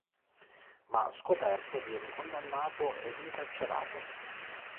Ma, scoperto, viene condannato e incarcerato.